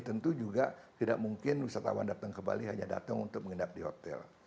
tentu juga tidak mungkin wisatawan datang ke bali hanya datang untuk menginap di hotel